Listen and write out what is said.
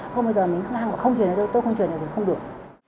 không bây giờ mình không truyền ra đâu tôi không truyền ra đâu thì không được